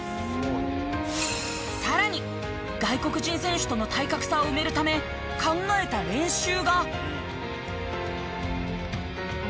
さらに外国人選手との体格差を埋めるため考えた練習が。